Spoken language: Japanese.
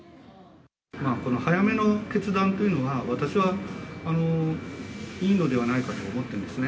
この早めの決断というのは、私はいいのではないかと思ってますね。